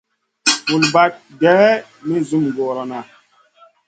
Vul bahd geyn mi sum gurona.